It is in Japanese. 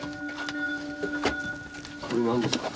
これ何ですか？